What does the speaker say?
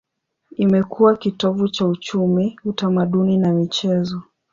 Imekuwa kitovu cha uchumi, utamaduni na michezo.